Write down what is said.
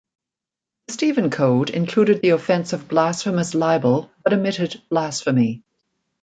The Stephen Code included the offence of blasphemous libel but omitted blasphemy.